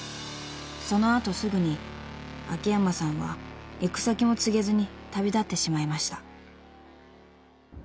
［その後すぐに秋山さんは行く先も告げずに旅立ってしまいました］